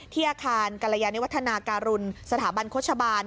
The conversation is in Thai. อาคารกรยานิวัฒนาการุณสถาบันโฆษบาล